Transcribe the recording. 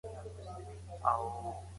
بد عمل شر لري